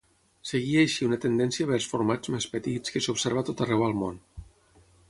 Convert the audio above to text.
Seguia així una tendència vers formats més petits que s'observa a tot arreu al món.